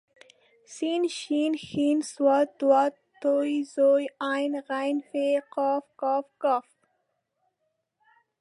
س ش ښ ص ض ط ظ ع غ ف ق ک ګ